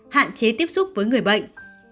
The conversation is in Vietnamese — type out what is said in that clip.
hạn chế tiếp xúc với người bệnh